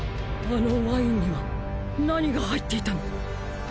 あのワインには何が入っていたの？